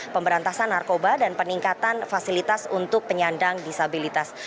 pemberantasan narkoba dan peningkatan fasilitas untuk penyandang disabilitas